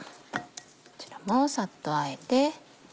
こちらもサッとあえて。